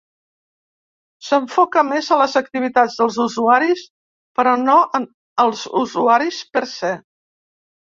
S'enfoca més en les activitats dels usuaris però no els usuaris per se.